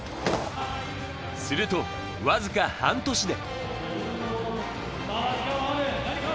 するとわずか半年で。